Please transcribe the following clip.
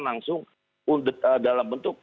langsung dalam bentuk